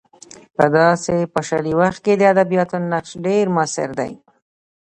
په داسې پاشلي وخت کې د ادبیاتو نقش ډېر موثر دی.